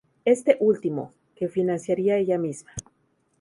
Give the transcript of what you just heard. Este último, que financiaría ella misma.